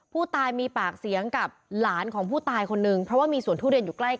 ผู้ตายมีปากเสียงกับหลานของผู้ตายคนนึงเพราะว่ามีสวนทุเรียนอยู่ใกล้